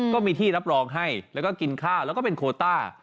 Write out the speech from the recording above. ก็มีที่รับรองให้แล้วก็กินข้าวแล้วก็เป็นโคต้า